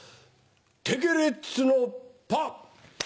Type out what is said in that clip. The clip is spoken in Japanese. テケレッツのパー。